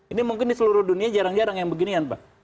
ini mungkin di seluruh dunia jarang jarang yang beginian pak